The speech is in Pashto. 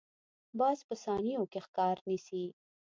باز په ثانیو کې ښکار نیسي